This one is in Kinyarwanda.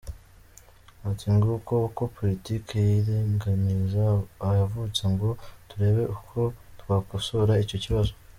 Ati ng’uko uko politique y’iringaniza yavutse ngo turebe uko twakosora icyo kibazo.